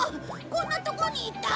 こんなとこにいた。